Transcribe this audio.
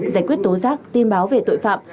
giải quyết tố giác tin báo về tội phạm